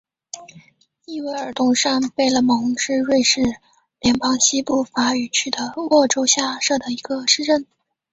伊韦尔东上贝勒蒙是瑞士联邦西部法语区的沃州下设的一个市镇。